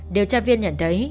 điều tra viên nhận thấy